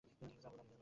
আমি বললাম নিচে রাখো।